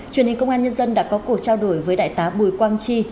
truyền hình công an nhân dân đã có cuộc trao đổi với đại tá bùi quang chi